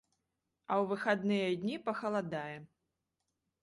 А ў выхадныя дні пахаладае.